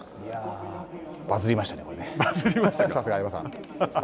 バズりましたね、これね。